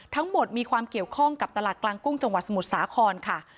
มีความเกี่ยวข้องกับตลาดกลางกุ้งจังหวัดสมุทรสาครค่ะ